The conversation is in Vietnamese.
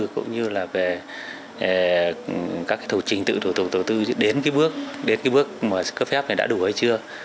cũng như là về các thủ trình tự tục đầu tư đến bước cấp phép này đã đủ hay chưa